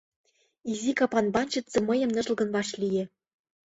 Изи капан банщице мыйым ныжылгын вашлие.